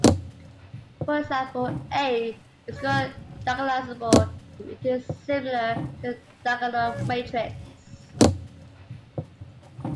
For example, "A" is called diagonalizable if it is similar to a diagonal matrix.